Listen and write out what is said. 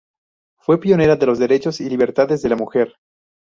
Fue pionera de los derechos y libertades de la mujer.